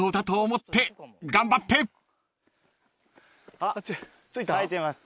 あっ書いてます